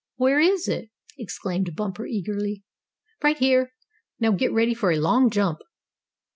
"Where is it?" exclaimed Bumper, eagerly. "Right here! Now get ready for a long jump."